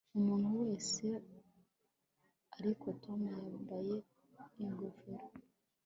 Umuntu wese ariko Tom yambaye ingofero